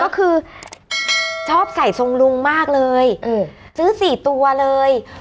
ก็คือชอบใส่ทรงลุงมากเลยซื้อ๔ตัวเลย